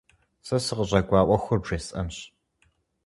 Сэ сыкъыщӏэкӏуа ӏуэхур бжесӏэнщ.